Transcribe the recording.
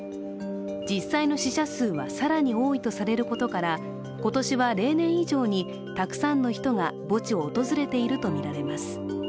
実際の死者数は更に多いとされることから、今年は例年以上にたくさんの人が墓地を訪れているとみられます。